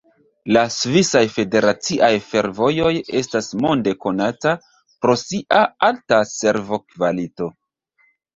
La Svisaj Federaciaj Fervojoj estas monde konata pro sia alta servo-kvalito.